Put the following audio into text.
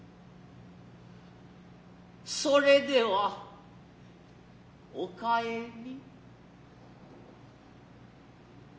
それではお帰り。